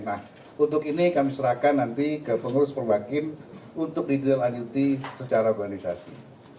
nah untuk ini kami serahkan nanti ke pengurus perbakin untuk ditindaklanjuti secara organisasi